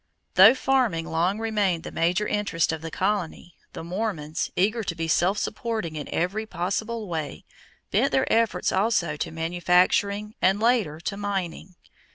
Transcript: _ Though farming long remained the major interest of the colony, the Mormons, eager to be self supporting in every possible way, bent their efforts also to manufacturing and later to mining.